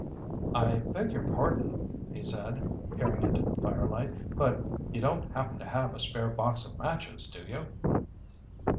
"I beg your pardon," he said, peering into the firelight, "but you don't happen to have a spare box of matches, do you?"